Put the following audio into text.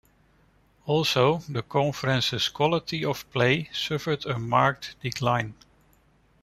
Also, the conference's quality of play suffered a marked decline.